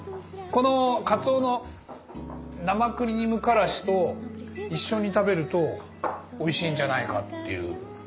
このかつおの生クリームからしと一緒に食べるとおいしいんじゃないかっていう。